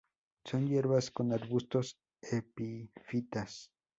Son hierbas o arbustos epífitas.